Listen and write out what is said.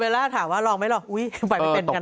ลองไหมลองอุ้ยป่อยไว้เป็นกันนะ